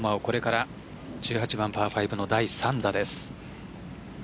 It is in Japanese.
これから１８番パー５の第３打です。